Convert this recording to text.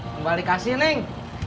kembali kasih neng